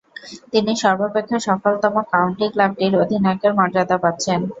তিনি সর্বাপেক্ষা সফলতম কাউন্টি ক্লাবটির অধিনায়কের মর্যাদা পাচ্ছেন।